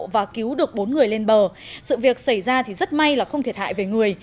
và cứu được bốn người lên bờ sự việc xảy ra thì rất may là không thiệt hại về người